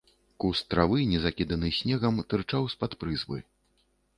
Куст травы, не закіданы снегам, тырчаў з-пад прызбы.